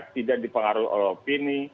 tidak dipengaruhi oleh opini